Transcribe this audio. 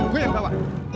gue yang bawa